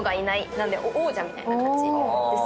なんで王者みたいな感じですね。